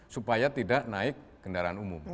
supaya tidak naik kendaraan umum